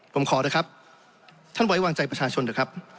ผมขอเถอะครับท่านไว้วางใจประชาชนเถอะครับ